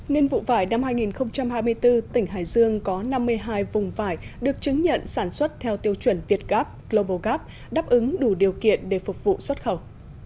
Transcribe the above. nên vụ vải năm hai nghìn hai mươi bốn tỉnh hải dương có năm mươi hai vùng vải được chứng nhận sản xuất theo tiêu chuẩn việt gap global gap đáp ứng đủ điều kiện để phục vụ xuất khẩu